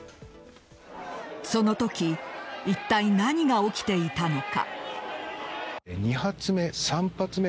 そのときいったい何が起きていたのか。